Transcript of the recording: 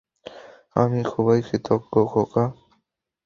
আমি খুবই কৃতজ্ঞ, খোকা।